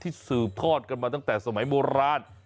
สืบทอดกันมาตั้งแต่สมัยโบราณ